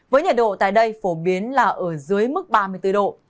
với nhiệt độ tại đây phổ biến là ở dưới mức ba mươi bốn độ